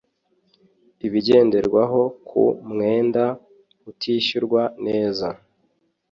Ibigenderwaho ku mwenda utishyurwa neza